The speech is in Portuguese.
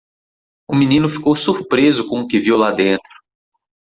O menino ficou surpreso com o que viu lá dentro.